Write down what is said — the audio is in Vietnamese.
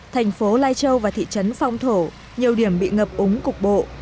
thành phố lai châu và thị trấn phong thổ nhiều điểm bị ngập úng cục bộ